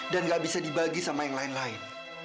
dan nggak bisa dibagi sama yang lain lain